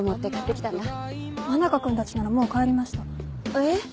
えっ。